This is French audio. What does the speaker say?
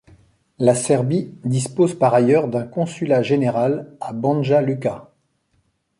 La Serbie dispose par ailleurs d'un consulat-général à Banja Luka.